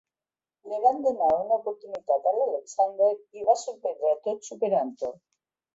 Le van donar una oportunitat a l'Alexander i va sorprendre a tots superant-ho.